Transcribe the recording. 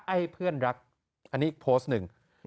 ไอ้เพื่อนรักอันนี้อีกโพสต์หนึ่ง